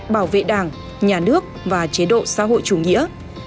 bảo vệ đảng nhà nước và chế độ xã hội chủ nghĩa